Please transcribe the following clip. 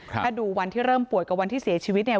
ถ้าดูวันที่เริ่มป่วยกับวันที่เสียชีวิตเนี่ย